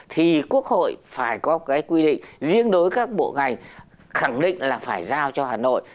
thì quốc hội phải có cái quy định riêng đối các bộ ngành khẳng định là phải giao cho hà nội